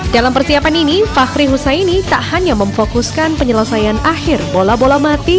dalam persiapan ini fahri husaini tak hanya memfokuskan penyelesaian akhir bola bola mati